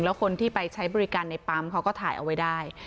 แล้วคนที่ไปใช้บริการในปั๊มเขาก็ถ่ายเอาไว้ได้